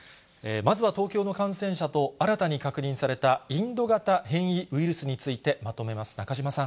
まずは東京の感染者と、新たに確認されたインド型変異ウイルスについてまとめます。